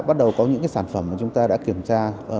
bắt đầu có những sản phẩm mà chúng ta đã kiểm tra